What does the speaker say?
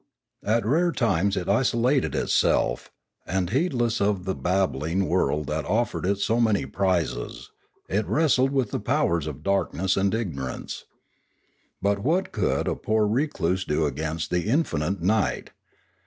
At rare times it isolated itself, and, heedless of the babbling world that offered it so many prizes, it wrestled with the powers of darkness and ignorance. But what could a poor recluse do against the infinite night?